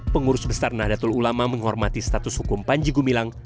pengurus besar nahdlatul ulama menghormati status hukum panjegu bilang